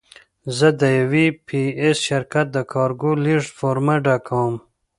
زه د یو پي ایس شرکت د کارګو لېږد فورمه ډکوم.